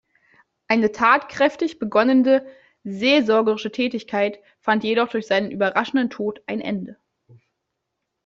Eine tatkräftig begonnene seelsorgerische Tätigkeit fand jedoch durch seinen überraschenden Tod ein Ende.